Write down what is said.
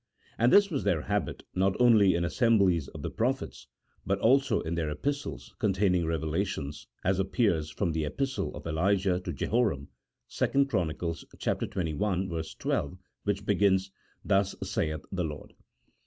and this was their habit not only in assemblies of the pro phets, but also in their epistles containing revelations, as appears from the epistle of Elijah to Jehoram, 2 Chron. xxi. 12, which begins, " Thus saith the Lord."